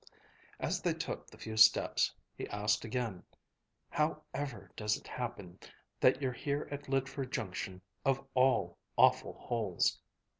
As they took the few steps he asked again, "How ever does it happen that you're here at Lydford Junction of all awful holes?"